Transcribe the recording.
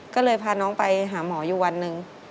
ก็เลยพาน้องไปหาหมออยู่วันหนึ่ง